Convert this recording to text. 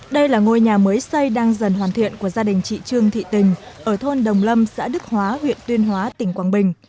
đây là ngôi nhà mới xây đang dần hoàn thiện của gia đình chị trương thị tình ở thôn đồng lâm xã đức hóa huyện tuyên hóa tỉnh quảng bình